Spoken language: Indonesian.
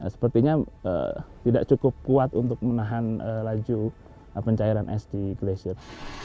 sepertinya tidak cukup kuat untuk menahan laju pencairan es di glasir